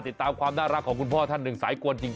ติดตามความน่ารักของคุณพ่อท่านหนึ่งสายกวนจริง